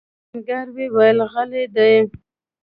آهنګر وويل: غله دي!